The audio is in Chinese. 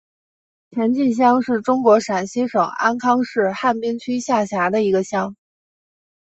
前进乡是中国陕西省安康市汉滨区下辖的一个乡。